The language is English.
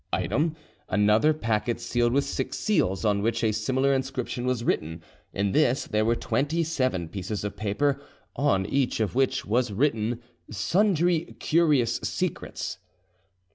"Item, another packet sealed with six seals, on which a similar inscription was written. In this were twenty seven pieces of paper on each of which was written: 'Sundry curious secrets.